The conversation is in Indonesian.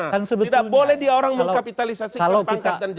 tidak boleh dia orang mengkapitalisasi kepangkat dan jawabannya